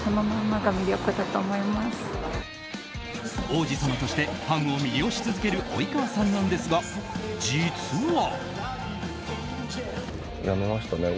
王子様としてファンを魅了し続ける及川さんなんですが、実は。